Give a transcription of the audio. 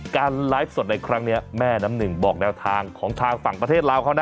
ไลฟ์สดในครั้งนี้แม่น้ำหนึ่งบอกแนวทางของทางฝั่งประเทศลาวเขานะ